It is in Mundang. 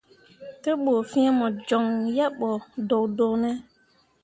Te ɓu fiŋ mo coŋ yebɓo doodoone ?